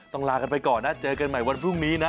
ลากันไปก่อนนะเจอกันใหม่วันพรุ่งนี้นะ